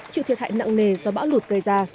chịu thiệt hại nặng nề do bão lụt gây ra